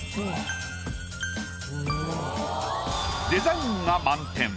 デザインが満点。